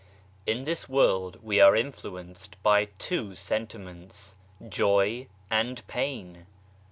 TN this world we are influenced by two sentiments, * Joy and Pain.